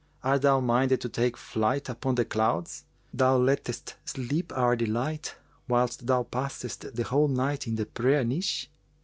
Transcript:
Art thou minded to take flight upon the clouds? Thou lettest slip our delight, whilst thou passest the whole night in the prayer niche."